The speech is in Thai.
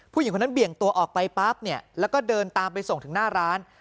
ผู้หญิงคนนั้นเบี่ยงตัวออกไปปั๊บเนี่ยแล้วก็เดินตามไปส่งถึงหน้าร้าน